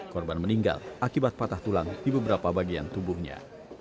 korban meninggal akibat patah tulang di beberapa bagian tubuhnya